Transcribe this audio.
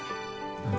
うん。